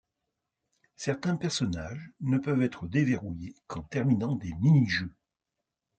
Certains personnages ne peuvent être déverrouillés qu'en terminant des mini-jeux.